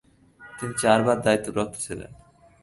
তিনি চারবার দায়িত্বপ্রাপ্ত ছিলেন।